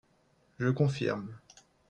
Je confirme